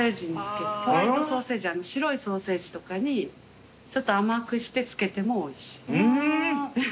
ホワイトソーセージ白いソーセージとかにちょっと甘くして付けてもおいしい。